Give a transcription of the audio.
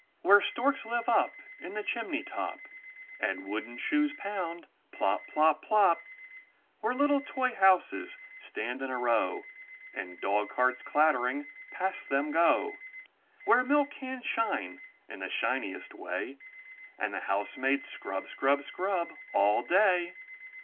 Where storks live up in the chimney top, And wooden shoes pound, plop, plop, plop! 334 IN THE NURSERY Where little toy houses stand in a row, And dog carts clattering past them go! Where milk cans shine in the shiniest way, And the housemaids scrub, scrub, scrub all day.